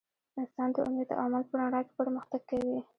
انسان د امید او عمل په رڼا کې پرمختګ کوي.